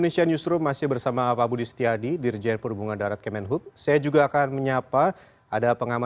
sampai bertemu lagi